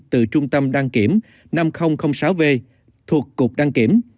từ trung tâm đăng kiểm năm nghìn sáu v thuộc cục đăng kiểm